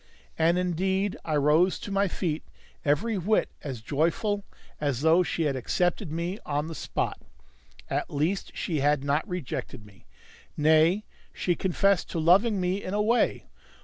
And indeed I rose to my feet every whit as joyful as though she had accepted me on the spot. At least she had not rejected me; nay, she confessed to loving me in a way.